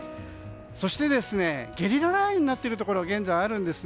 そして、ゲリラ雷雨になっているところが現在、あるんです。